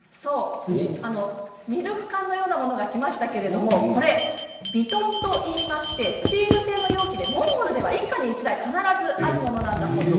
ミルク缶のようなものがきましたけれど、こちらはビトンといいましてスチール製の容器でモンゴルでは１家に１台必ずあるものなんだそうです。